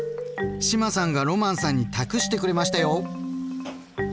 志麻さんがロマンさんに託してくれましたよ！